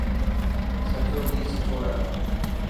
سچو گهي سٺو هي.